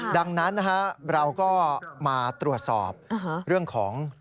ดังนั้นเราก็มาตรวจสอบเรื่องของ